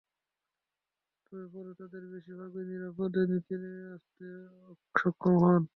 তবে পরে তাঁদের বেশির ভাগই নিরাপদে নিচে নেমে আসতে সক্ষম হন।